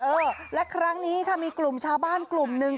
เออและครั้งนี้ค่ะมีกลุ่มชาวบ้านกลุ่มหนึ่ง